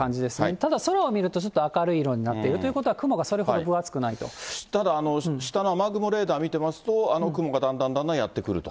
ただ、空を見るとちょっと明るい色になっているということは雲がそれほただ、下の雨雲レーダー見てますと、あの雲がだんだんだんだんやって来ると？